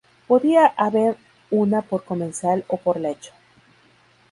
Podía haber una por comensal o por lecho.